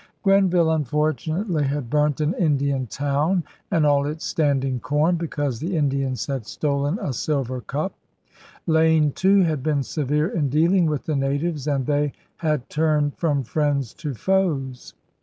Grenville unfortunately had burnt an Indian town and all its standing corn because the Indians had stolen a silver cup. Lane, too, had been severe in dealing with the natives and they had turned from friends to foes.